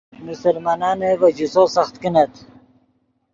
مسلمانانے ڤے جوسو سخت کینت